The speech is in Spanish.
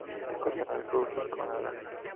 Lo gobierna Rugby Canada.